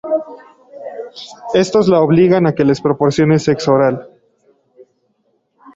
Estos la obligan a que les proporcione sexo oral.